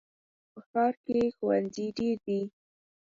په ښار کې ښوونځي ډېر دي.